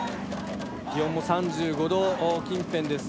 気温も３５℃近辺です。